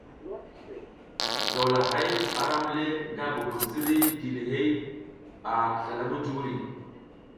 Gawlahay aram le nga bubud ziriy dilihey a slala mujuri.